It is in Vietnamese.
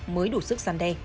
mới đủ sức sàn đe